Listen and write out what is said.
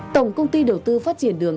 tổng công ty đầu tư phát triển đường